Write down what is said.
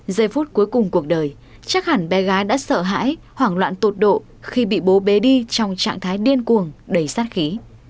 giây phút cuối cùng cuộc đời chắc hẳn bé gái đã sợ hãi hoảng loạn tột độ khi bị bố bế trong trạng thái điên cuồng đầy sát khí